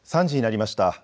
３時になりました。